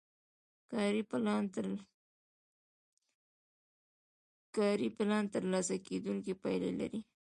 کاري پلان ترلاسه کیدونکې پایلې لري.